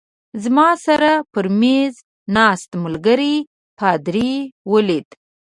زما سره پر مېز ناست ملګري پادري ولید.